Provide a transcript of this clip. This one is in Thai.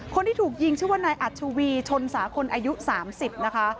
คนที่ถูกยิงชื่อว่านายอัชวีชนสาคลอายุ๓๐นะคะ